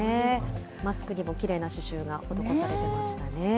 マスクにもきれいな刺しゅうが施されていましたね。